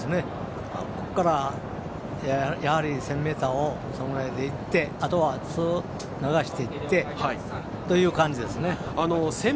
ここからやはり１０００ｍをそのぐらいでいってあとは、流していってという感じですね。